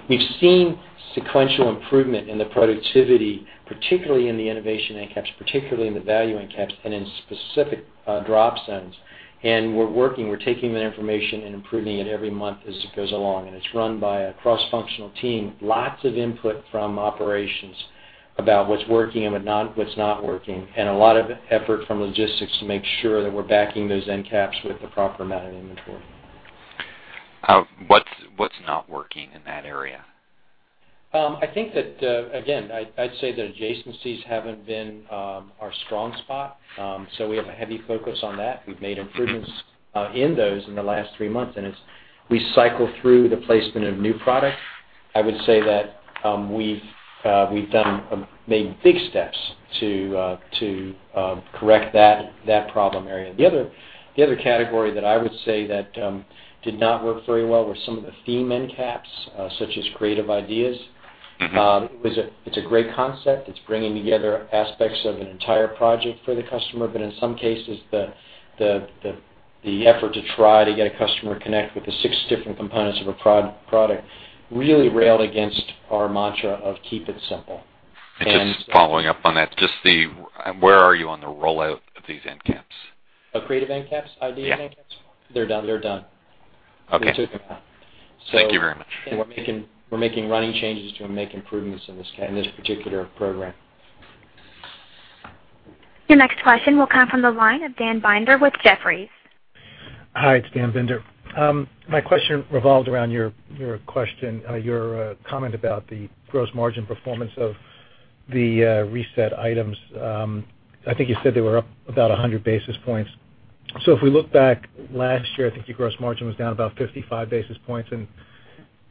We've seen sequential improvement in the productivity, particularly in the innovation end caps, particularly in the value end caps, and in specific drop zones. We're taking that information and improving it every month as it goes along. It's run by a cross-functional team. Lots of input from operations about what's working and what's not working, a lot of effort from logistics to make sure that we're backing those end caps with the proper amount of inventory. What's not working in that area? I think that, again, I'd say the adjacencies haven't been our strong spot. We have a heavy focus on that. We've made improvements in those in the last three months, as we cycle through the placement of new product, I would say that we've made big steps to correct that problem area. The other category that I would say that did not work very well were some of the theme end caps, such as Creative Ideas It's a great concept. It's bringing together aspects of an entire project for the customer. In some cases, the effort to try to get a customer connect with the six different components of a product really railed against our mantra of keep it simple. Just following up on that, where are you on the rollout of these end caps? Creative end caps? Ideas end caps? Yeah. They're done. Okay. We took them out. Thank you very much. We're making running changes to them, make improvements in this particular program. Your next question will come from the line of Daniel Binder with Jefferies. Hi, it's Daniel Binder. My question revolved around your comment about the gross margin performance of the reset items. I think you said they were up about 100 basis points. If we look back last year, I think your gross margin was down about 55 basis points, and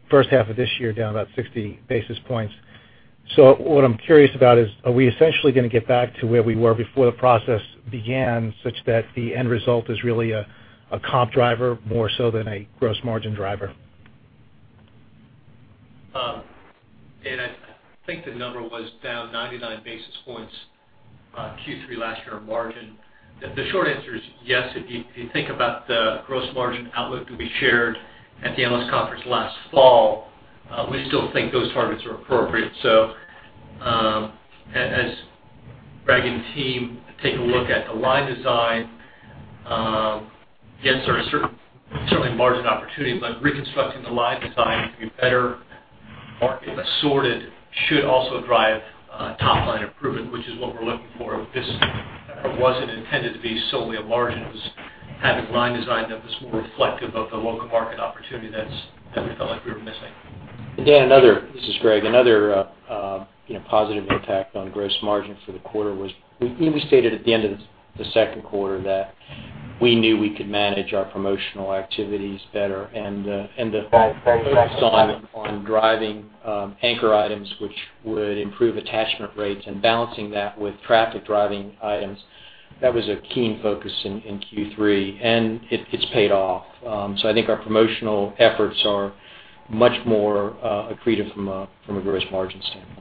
first half of this year down about 60 basis points. What I'm curious about is, are we essentially going to get back to where we were before the process began, such that the end result is really a comp driver more so than a gross margin driver? Dan, I think the number was down 99 basis points, Q3 last year margin. The short answer is yes. If you think about the gross margin outlook that we shared at the analyst conference last fall, we still think those targets are appropriate. As Greg and team take a look at the line design, yes, there are certainly margin opportunities, but reconstructing the line design to be better market assorted should also drive top line improvement, which is what we're looking for. This wasn't intended to be solely a margin. It was having line design that was more reflective of the local market opportunity that we felt like we were missing. Dan, this is Greg. Another positive impact on gross margin for the quarter was we stated at the end of the second quarter that we knew we could manage our promotional activities better and the focus on driving anchor items, which would improve attachment rates and balancing that with traffic-driving items. That was a keen focus in Q3, and it's paid off. I think our promotional efforts are much more accretive from a gross margin standpoint.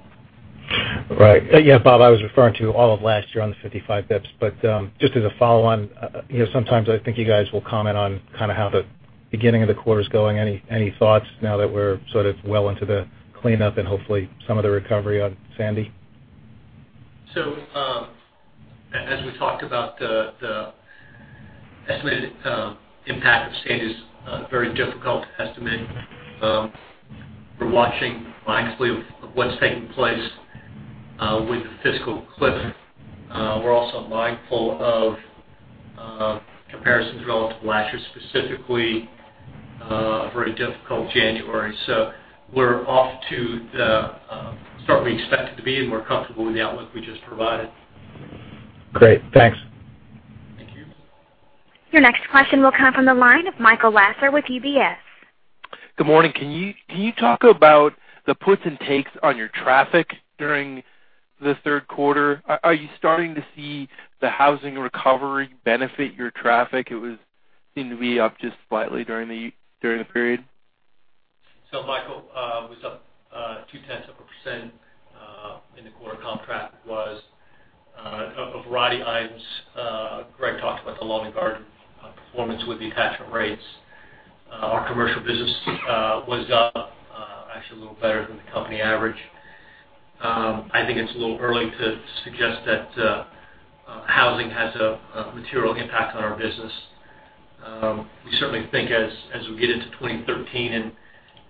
Right. Yeah, Bob, I was referring to all of last year on the 55 basis points, but just as a follow on, sometimes I think you guys will comment on how the beginning of the quarter is going. Any thoughts now that we're sort of well into the cleanup and hopefully some of the recovery on Sandy? As we talked about, the estimated impact of Sandy is very difficult to estimate. We're watching mindfully of what's taking place with the fiscal cliff. We're also mindful of comparisons relative to last year, specifically a very difficult January. We're off to the start we expected to be, and we're comfortable with the outlook we just provided. Great. Thanks. Thank you. Your next question will come from the line of Michael Lasser with UBS. Good morning. Can you talk about the puts and takes on your traffic during the third quarter? Are you starting to see the housing recovery benefit your traffic? It was seen to be up just slightly during the period. Michael, was up 0.2% in the quarter. Comp traffic was a variety items. Greg talked about the lawn and garden performance with the attachment rates. Our commercial business was up actually a little better than the company average. I think it's a little early to suggest that housing has a material impact on our business. We certainly think as we get into 2013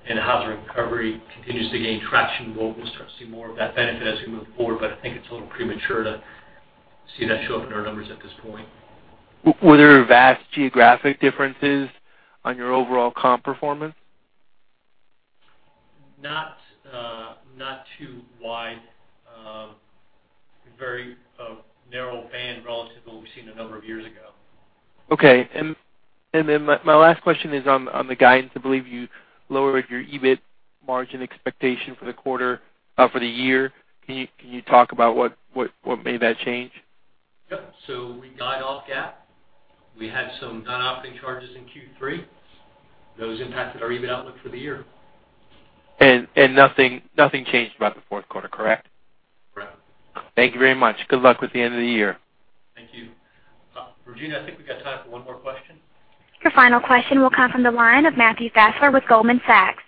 and housing recovery continues to gain traction, we'll start to see more of that benefit as we move forward. I think it's a little premature to see that show up in our numbers at this point. Were there vast geographic differences on your overall comp performance? Not too wide. A very narrow band relative to what we've seen a number of years ago. Okay. My last question is on the guidance. I believe you lowered your EBIT margin expectation for the quarter, for the year. Can you talk about what made that change? Yep. We got off GAAP. We had some non-operating charges in Q3. Those impacted our EBIT outlook for the year. Nothing changed about the fourth quarter, correct? Correct. Thank you very much. Good luck with the end of the year. Thank you. Regina, I think we got time for one more question. Your final question will come from the line of Matthew Fassler with Goldman Sachs.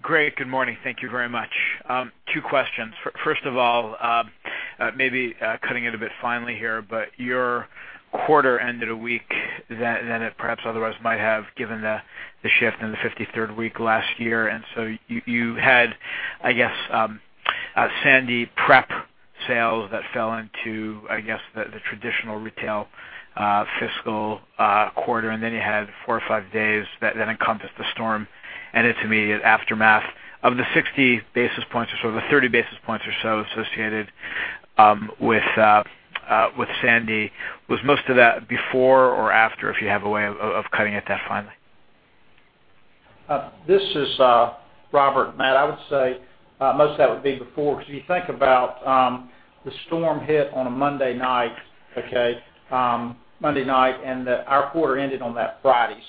Greg, good morning. Thank you very much. Two questions. First of all, maybe cutting it a bit finely here, your quarter ended a week than it perhaps otherwise might have, given the shift in the 53rd week last year. You had, I guess, Sandy prep sales that fell into, I guess, the traditional retail fiscal quarter, and then you had four or five days that encompassed the storm and its immediate aftermath. Of the 60 basis points or so, the 30 basis points or so associated with Sandy, was most of that before or after, if you have a way of cutting at that finely? This is Robert. Matt, I would say, most of that would be before, because if you think about the storm hit on a Monday night, okay? Monday night, our quarter ended on that Friday,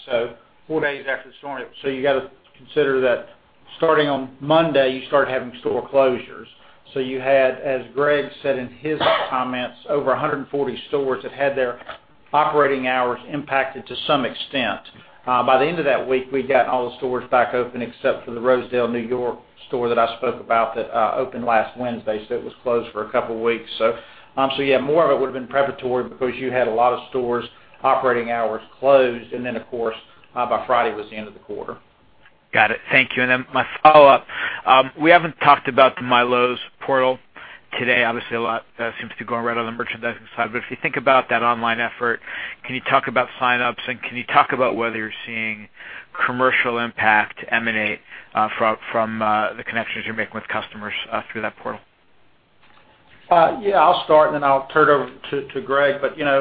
four days after the storm. You got to consider that starting on Monday, you start having store closures. You had, as Greg said in his comments, over 140 stores that had their operating hours impacted to some extent. By the end of that week, we'd gotten all the stores back open except for the Rosedale, New York store that I spoke about that opened last Wednesday. It was closed for a couple of weeks. Yeah, more of it would have been preparatory because you had a lot of stores' operating hours closed, then, of course, by Friday, it was the end of the quarter. Got it. Thank you. My follow-up, we haven't talked about the MyLowe's portal today. Obviously, a lot seems to be going right on the merchandising side. If you think about that online effort, can you talk about sign-ups, and can you talk about whether you're seeing commercial impact emanate from the connections you're making with customers through that portal? Yeah, I'll start, and then I'll turn it over to Greg. Our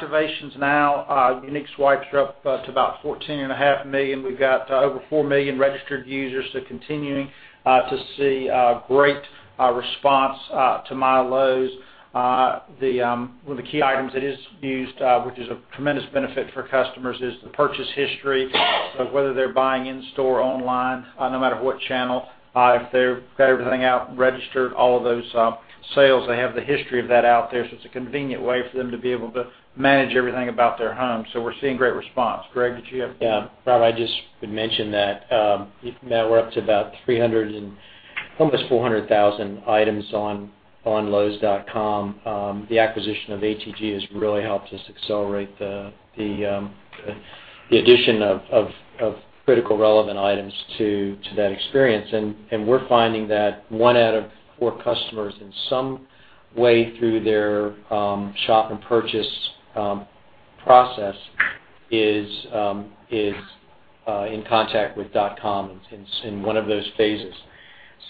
activations now, unique swipes are up to about 14 and a half million. We've got over four million registered users, continuing to see a great response to MyLowe's. One of the key items that is used, which is a tremendous benefit for customers, is the purchase history of whether they're buying in-store or online, no matter what channel. If they've got everything out and registered, all of those sales, they have the history of that out there. It's a convenient way for them to be able to manage everything about their home. We're seeing great response. Greg, did you have- Yeah. Rob, I just would mention that, Matt, we're up to about almost 400,000 items on Lowes.com. The acquisition of ATG has really helped us accelerate the addition of critical relevant items to that experience. We're finding that one out of four customers in some way through their shop and purchase process is in contact with .com in one of those phases.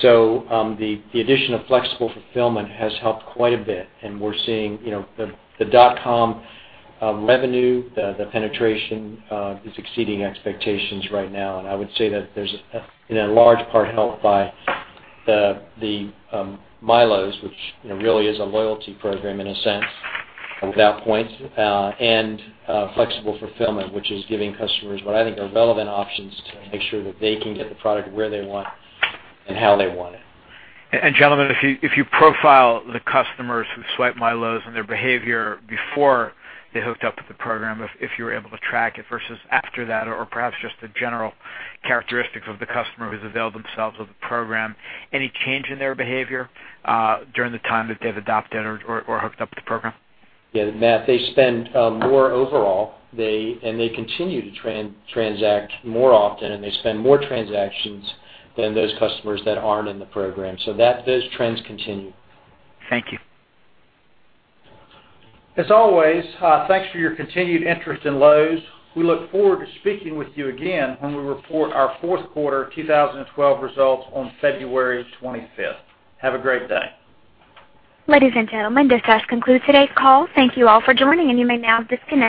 The addition of flexible fulfillment has helped quite a bit, and we're seeing the .com revenue, the penetration is exceeding expectations right now. I would say that there's in a large part helped by the MyLowe's, which really is a loyalty program in a sense, without points, and flexible fulfillment, which is giving customers what I think are relevant options to make sure that they can get the product where they want and how they want it. Gentlemen, if you profile the customers who swipe MyLowe's and their behavior before they hooked up with the program, if you were able to track it versus after that, or perhaps just the general characteristics of the customer who's availed themselves of the program, any change in their behavior during the time that they've adopted or hooked up with the program? Yeah, Matt, they spend more overall, and they continue to transact more often, and they spend more transactions than those customers that aren't in the program. Those trends continue. Thank you. As always, thanks for your continued interest in Lowe's. We look forward to speaking with you again when we report our fourth quarter 2012 results on February 25th. Have a great day. Ladies and gentlemen, this does conclude today's call. Thank you all for joining, and you may now disconnect.